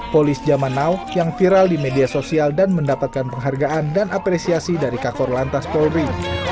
polis zaman now yang viral di media sosial dan mendapatkan penghargaan dan apresiasi dari kakor lantas polri